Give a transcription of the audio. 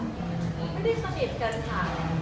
ไม่ได้สนิทกันค่ะ